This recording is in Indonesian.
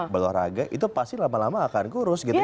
berlora raga itu pasti lama lama akan kurus gitu kan